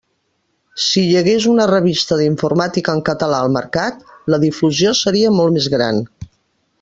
Si hi hagués una revista d'informàtica en català al mercat, la difusió seria molt més gran.